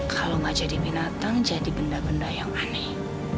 kalau nggak jadi binatang jadi benda benda yang aneh